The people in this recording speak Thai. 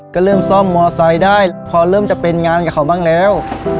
ก็เริ่มซ่อมมอไซค์ได้พอเริ่มจะเป็นงานกับเขาบ้างแล้ว